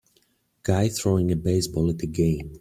guy throwing a baseball at a game